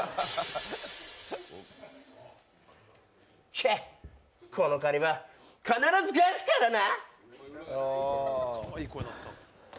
ケッ、この借りは必ず返すからな！